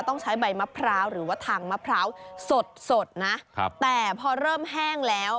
ต้องใช้ใบมะพร้าวหรือว่าทางมะพร้าวสดสดนะครับแต่พอเริ่มแห้งแล้ว